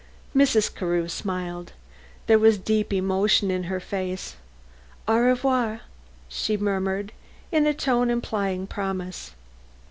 Mrs. Carew smiled. There was deep emotion in her face. "Au revoir!" she murmured in a tone implying promise.